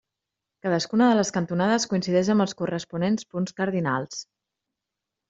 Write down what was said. Cadascuna de les cantonades coincideix amb els corresponents punts cardinals.